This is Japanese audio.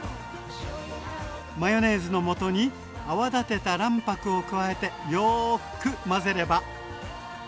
マヨネーズのもとに泡立てた卵白を加えてよく混ぜれば。